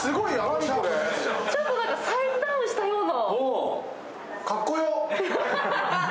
ちょっとサイズダウンしたような。